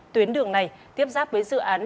tuyến đường này tiếp giáp với dự án